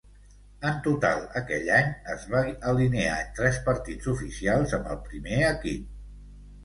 En total, aquell any es va alinear en tres partits oficials amb el primer equip.